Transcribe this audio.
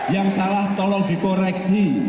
yang salah tolong dikoreksi